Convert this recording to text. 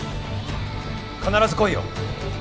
必ず来いよ。